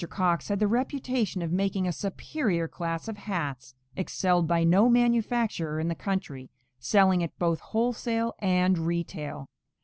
Cox had the reputation of making a superior class of hats, excelled by no manufacturer in the country, selling at both wholesale and retail.